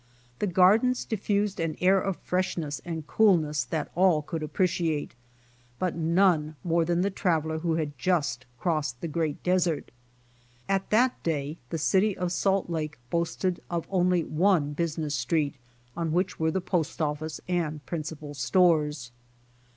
The gardens diffused an air of freshness and coolness that all could appreciate, but none more than the traveler who had just crossed the great desert. At that day the City of Salt Lake boasted of only one business street on which were the postoffice and principal stores.